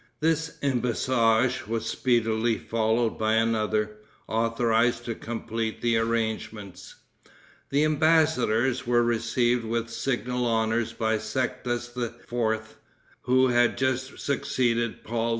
This embassage was speedily followed by another, authorized to complete the arrangements. The embassadors were received with signal honors by Sextus IV., who had just succeeded Paul II.